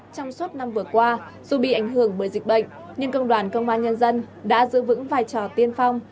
trong suốt năm vừa qua dù bị ảnh hưởng bởi dịch bệnh nhưng công đoàn công an nhân dân đã giữ vững vai trò tiên phong